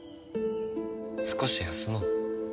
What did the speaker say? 少し休もう。